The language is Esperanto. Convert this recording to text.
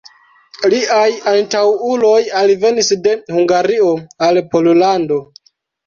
Liaj antaŭuloj alvenis de Hungario al Pollando.